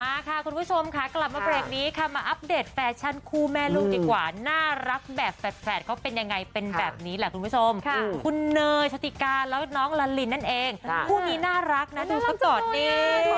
มาค่ะคุณผู้ชมค่ะกลับมาเบรกนี้ค่ะมาอัปเดตแฟชั่นคู่แม่ลูกดีกว่าน่ารักแบบแฝดเขาเป็นยังไงเป็นแบบนี้แหละคุณผู้ชมคุณเนยชติกาแล้วน้องลาลินนั่นเองคู่นี้น่ารักนะดูซะก่อนนี่